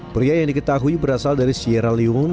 pria yang diketahui berasal dari sierra leone